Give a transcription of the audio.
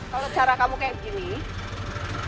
kalau cara kamu kayak gini